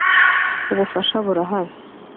ubufasha burahari.